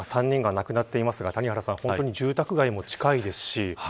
３人が亡くなっていますが本当に住宅街も近いですし